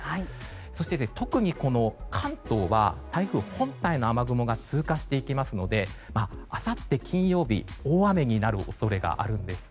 そして、特に関東は台風本体の雨雲が通過していきますのであさって、金曜日大雨になる恐れがあるんです。